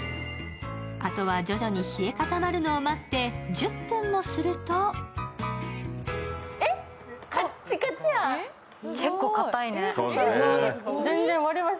あとは徐々に冷え固まることを待って１０分もすると結構硬いね。